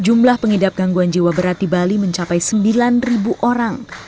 jumlah pengidap gangguan jiwa berat di bali mencapai sembilan orang